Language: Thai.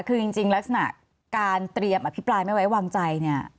คือจริงลักษณะการเตรียมอภิปรายไม่ไว้วางใจเนี่ย